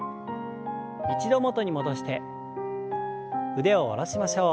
一度元に戻して腕を下ろしましょう。